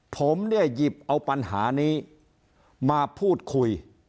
ผมเนี่ยหยิบเอาปัญหานี้มาพูดคุย